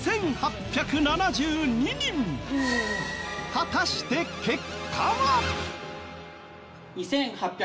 果たして結果は？